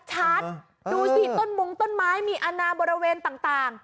ดูสิต้นมงต้นไม้มีอาณาบริเวณต่าง